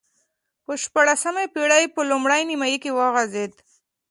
په شپاړسمې پېړۍ په لومړۍ نییمایي کې وغځېد.